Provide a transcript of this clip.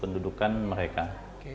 mengurus administrasi kependudukan mereka